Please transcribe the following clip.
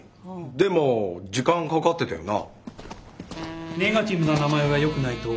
でも時間かかってたよな。